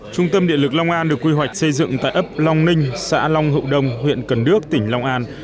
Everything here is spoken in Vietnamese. trung tâm điện lực long an được quy hoạch xây dựng tại ấp long ninh xã long hậu đông huyện cần đước tỉnh long an